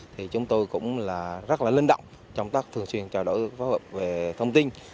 thì chúng tôi cũng rất là linh động trong các thường xuyên trò đổi phối hợp về thông tin